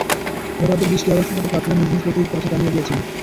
ভোটারদের দৃষ্টি আকর্ষণ করতে প্রার্থীরা নিজ নিজ প্রতীক গাছে টানিয়ে দিয়েছেন।